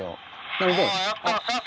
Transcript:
なので。